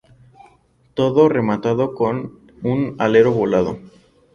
Todo rematado con un alero volado.